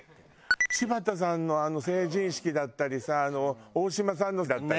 柴田さんのあの成人式だったりさ大島さんのだったり。